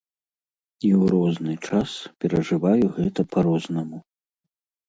І ў розны час перажываю гэта па-рознаму.